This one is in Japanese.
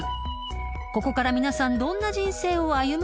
［ここから皆さんどんな人生を歩むのでしょう？］